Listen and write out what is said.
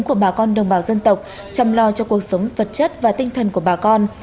của bà con đồng bào dân tộc chăm lo cho cuộc sống vật chất và tinh thần của bà con